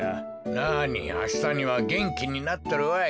なにあしたにはげんきになっとるわい。